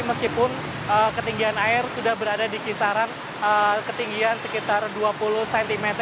meskipun ketinggian air sudah berada di kisaran ketinggian sekitar dua puluh cm